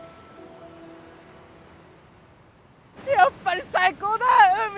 やっぱり最高だ海！